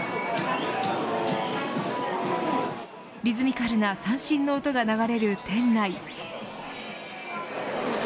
リズミカルな三線の音が流れる店内。